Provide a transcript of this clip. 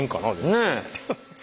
ねえ。